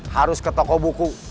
harus ke toko buku